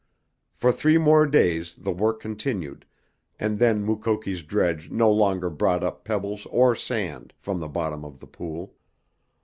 For three more days the work continued, and then Mukoki's dredge no longer brought up pebbles or sand from the bottom of the pool.